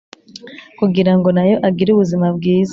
kugira ngo na yo agire ubuzima bwiza.